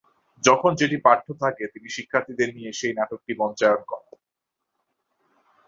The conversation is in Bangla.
যখন যেটি পাঠ্য থাকে তিনি শিক্ষার্থীদের দিয়ে সেই নাটকটি মঞ্চায়ন করান।